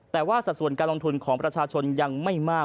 แต่ว่าสัดส่วนการลงทุนของประชาชนยังไม่มาก